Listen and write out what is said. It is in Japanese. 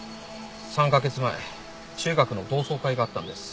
３カ月前中学の同窓会があったんです。